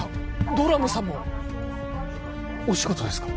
ドラムさんもお仕事ですか？